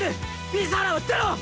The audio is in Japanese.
水原は出ろ！